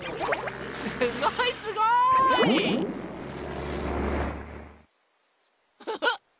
すごいすごい！フフ。